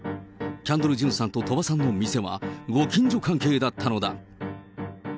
キャンドル・ジュンさんと鳥羽さんの店は、ご近所関係だったのだ。